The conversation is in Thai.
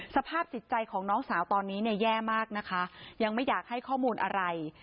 สภาพจิตใจของน้องสาวตอนนี้เนี่ยแย่มากนะคะยังไม่อยากให้ข้อมูลอะไร